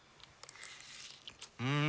うん！